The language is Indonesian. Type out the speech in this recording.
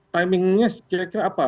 timingnya kira kira apa